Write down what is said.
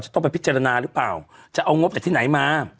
ต้องไปพิจารณาหรือเปล่าจะเอางบจากที่ไหนมา